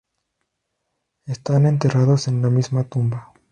Están enterrados en la misma tumba.